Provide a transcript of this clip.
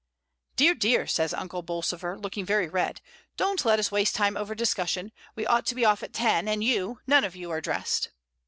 "Dear, dear," says Uncle Bolsover, looking very red. "Don't let us waste time over discussion; we ought to be off at ten, and you, none of you are dressed."